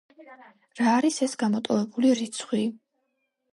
რა არის ეს გამოტოვებული რიცხვი?